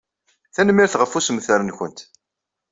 Tanemmirt ɣef ussemter-nwent.